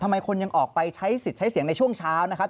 ทำไมคนยังออกไปใช้สิทธิ์ใช้เสียงในช่วงเช้านะครับ